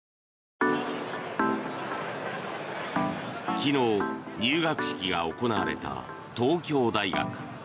昨日、入学式が行われた東京大学。